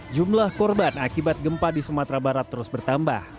jumlah korban akibat gempa di sumatera barat terus bertambah